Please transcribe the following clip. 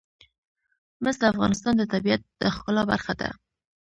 مس د افغانستان د طبیعت د ښکلا برخه ده.